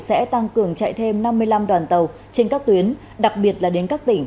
sẽ tăng cường chạy thêm năm mươi năm đoàn tàu trên các tuyến đặc biệt là đến các tỉnh